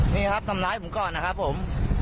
นี่ครับทำร้ายผมก่อนนะครับผม